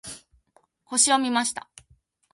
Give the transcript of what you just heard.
星を見ました。